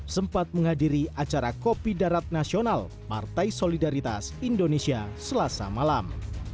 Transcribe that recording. sempat menghadiri acara kopi darat nasional partai solidaritas indonesia selasa malam